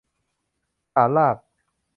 ฐานราก